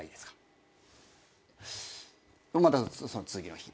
またその次の日。